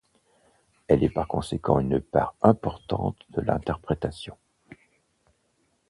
Elle est par conséquent une part importante de l'interprétation.